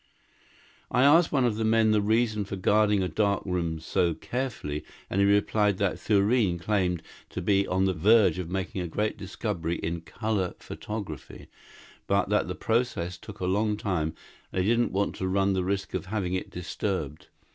I asked one of the men the reason for guarding a dark room so carefully, and he replied that Thurene claimed to be on the verge of making a great discovery in color photography, but that the process took a long time and he didn't want to run the risk of having it disturbed.